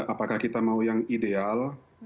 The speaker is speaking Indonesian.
apakah kita mau yang ideal